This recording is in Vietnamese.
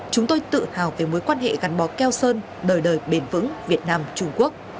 chúng tôi tự hào về mối quan hệ gắn bó keo sơn đời đời bền vững việt nam trung quốc